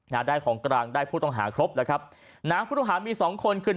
ได้ของกลางได้ผู้ต้องหาครบแล้วครับนะฮะผู้ต้องหามีสองคนคือ